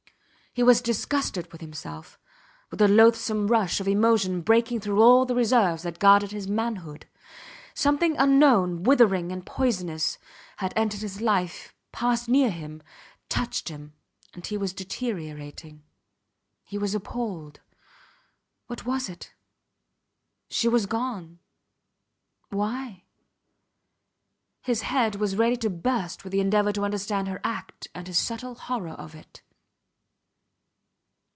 He was disgusted with himself, with the loathsome rush of emotion breaking through all the reserves that guarded his manhood. Something unknown, withering and poisonous, had entered his life, passed near him, touched him, and he was deteriorating. He was appalled. What was it? She was gone. Why? His head was ready to burst with the endeavour to understand her act and his subtle horror of it.